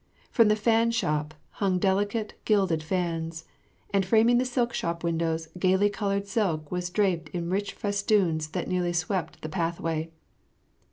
From the fan shop hung delicate, gilded fans; and framing the silk shop windows gaily coloured silk was draped in rich festoons that nearly swept the pathway.